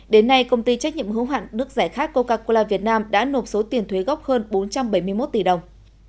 đến nay công ty trách nhiệm hữu hạn nước giải khát coca cola việt nam đã nộp số tiền thuế gốc hơn bốn trăm bảy mươi một tỷ đồng